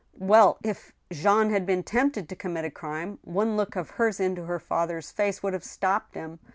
Well! if Jean had been tempted to commit a crime, one look of hers into her father's face would have stopped him.